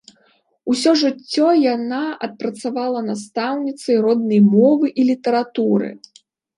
Усё жыццё яна адпрацавала настаўніцай роднай мовы і літаратуры.